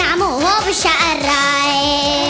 น่าโมโฮมันน่าโมโฮประชาอะไร